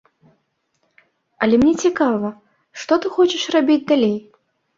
Але мне цікава, што ты хочаш рабіць далей?